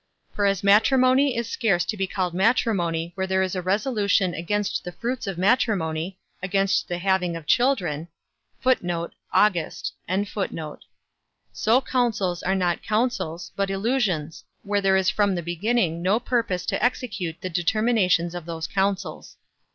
For as matrimony is scarce to be called matrimony where there is a resolution against the fruits of matrimony, against the having of children, so counsels are not counsels, but illusions, where there is from the beginning no purpose to execute the determinations of those counsels.